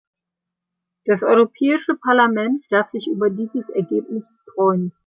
Das Europäische Parlament darf sich über dieses Ergebnis freuen.